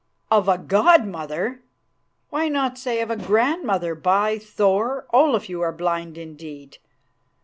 "Of a god mother! Why not say of a grandmother? By Thor! Olaf, you are blind indeed.